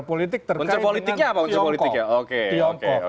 politik terkait dengan tiongkok